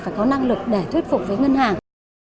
phải có năng lực để thuyết phục với ngân hàng